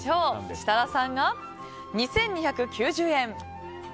設楽さんが２２９０円。